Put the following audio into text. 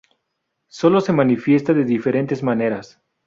Solo se manifiesta de diferentes maneras.